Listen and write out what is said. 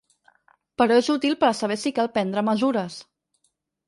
Però és útil per a saber si cal prendre mesures.